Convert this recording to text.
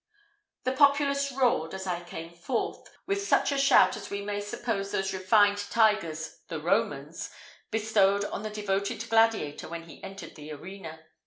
The populace roared, as I came forth, with such a shout as we may suppose those refined tigers the Romans bestowed on the devoted gladiator when he entered the arena.